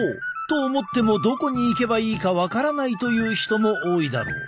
と思ってもどこに行けばいいか分からないという人も多いだろう。